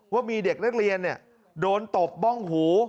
ว่ามีเด็กนักเรียนโดนตบบ้องหู